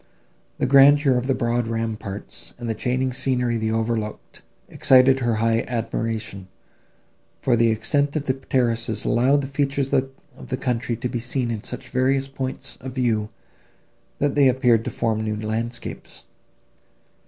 The grandeur of the broad ramparts, and the changing scenery they overlooked, excited her high admiration; for the extent of the terraces allowed the features of the country to be seen in such various points of view, that they appeared to form new landscapes.